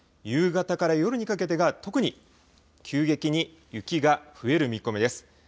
夕方から夜にかけてが特に急激に雪が増える見込みです。